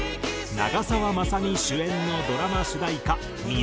長澤まさみ主演のドラマ主題歌『Ｍｉｒａｇｅ』。